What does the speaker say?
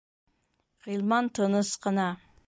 Ғилман тыныс ҡына: